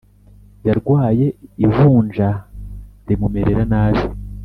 Yarwaye ivunja rimumerera nabi